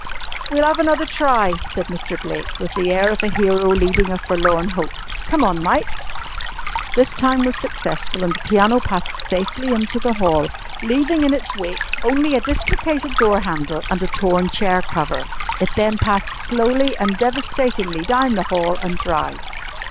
"We'll 'ave another try," said Mr. Blake with the air of a hero leading a forlorn hope. "Come on, mites." This time was successful and the piano passed safely into the hall, leaving in its wake only a dislocated door handle and a torn chair cover. It then passed slowly and devastatingly down the hall and drive.